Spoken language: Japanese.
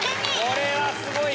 これはすごい！